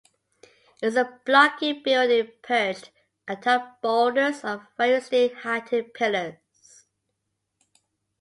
It's a blocky building perched atop boulders on variously-heighted pillars.